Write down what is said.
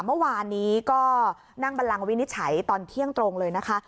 เมื่อวานนี้ก็นั่งบันลังวินิจฉัยตอนเที่ยงตรงเลยนะคะ